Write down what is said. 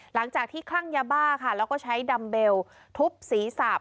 หลังจากที่คลั่งยาบ้าค่ะแล้วก็ใช้ดัมเบลทุบศีรษะ